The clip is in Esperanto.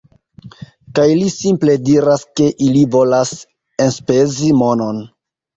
- Kaj li simple diras, ke ili volas enspezi monon